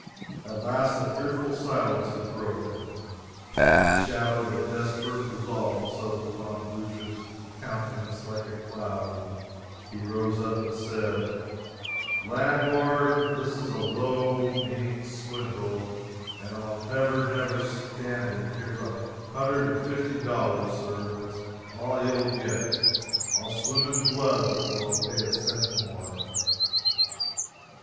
At last the fearful silence was broken. The shadow of a desperate resolve settled upon Blucher's countenance like a cloud, and he rose up and said: "Landlord, this is a low, mean swindle, and I'll never, never stand it. Here's a hundred and fifty dollars, Sir, and it's all you'll get I'll swim in blood before I'll pay a cent more."